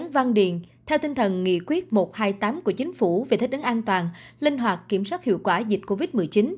văn điện theo tinh thần nghị quyết một trăm hai mươi tám của chính phủ về thích ứng an toàn linh hoạt kiểm soát hiệu quả dịch covid một mươi chín